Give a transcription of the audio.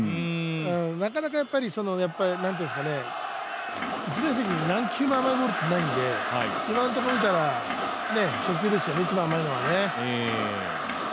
なかなか１打席に何球も甘いボールってないので今のところ見たら初球ですよね、一番甘いのは。